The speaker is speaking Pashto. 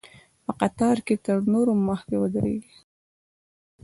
په قطار کې تر نورو مخکې ودرېږي.